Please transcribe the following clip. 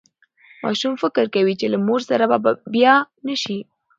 ماشوم فکر کوي چې له مور سره به بیا نه شي.